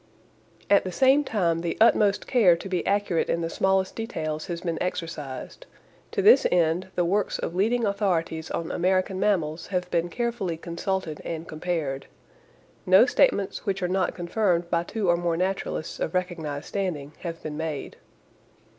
At the same time the utmost care to be accurate in the smallest details has been exercised. To this end the works of leading authorities on American mammals have been carefully consulted and compared. No statements which are not confirmed by two or more naturalists of recognized standing have been made.